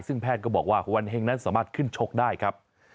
ซึ่งแพทย์ก็บอกว่าวันเฮงนั้นสามารถขึ้นชกได้ครับ